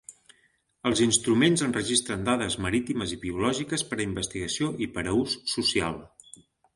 Els instruments enregistren dades marítimes i biològiques per a investigació i per a ús social.